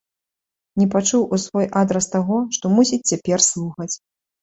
Не пачуў у свой адрас таго, што мусіць цяпер слухаць.